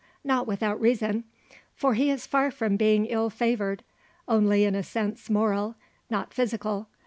Not without reason. For he is far from being ill favoured; only in a sense moral, not physical.